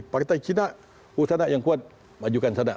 partai cina itu sana yang kuat maju ke sana